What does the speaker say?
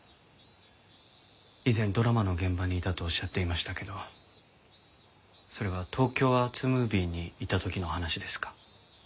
以前ドラマの現場にいたとおっしゃっていましたけどそれは東京アーツムービーにいた時の話ですか？